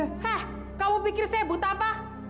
hah kamu pikir saya buta apa